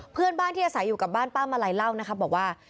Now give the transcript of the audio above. เพื่อนบ้านที่อาศัยอยู่กับบ้านป้ามาลัยเล่านะครับบอกว่า